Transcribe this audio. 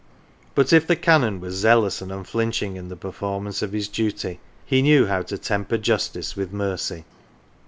But if the Canon was zealous and unflinching in the performance of his duty, he knew how to temper justice with mercy.